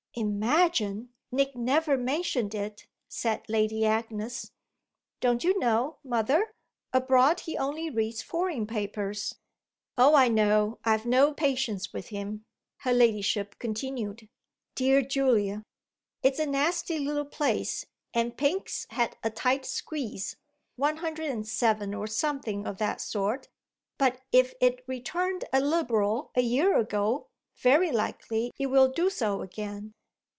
"Imagine Nick never mentioned it!" said Lady Agnes. "Don't you know, mother? abroad he only reads foreign papers." "Oh I know. I've no patience with him," her ladyship continued. "Dear Julia!" "It's a nasty little place, and Pinks had a tight squeeze 107 or something of that sort; but if it returned a Liberal a year ago very likely it will do so again.